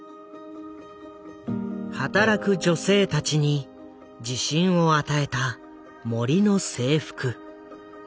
働く女性たちに自信を与えた森の制服。